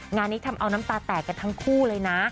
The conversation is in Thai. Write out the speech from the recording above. งานนี้ทำเอาน้ำตาแตกกันทั้งคู่เลยนะ